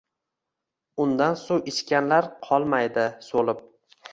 Undan suv ichganlar qolmaydi so’lib